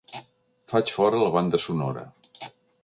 Faig fora la banda sonora.